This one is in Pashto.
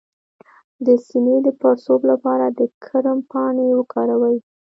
د سینې د پړسوب لپاره د کرم پاڼې وکاروئ